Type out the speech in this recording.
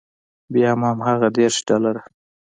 بیا هم هماغه دېرش ډالره.